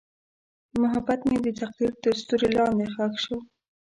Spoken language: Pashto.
محبت مې د تقدیر تر سیوري لاندې ښخ شو.